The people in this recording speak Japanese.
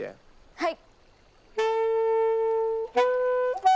はい！